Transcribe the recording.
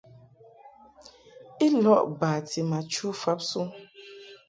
I lɔʼ bati ma chu fabsuŋ.